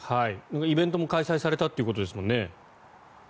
イベントも開催されたということですもんね。